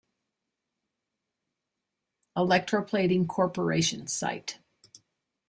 Electroplating Corporation site.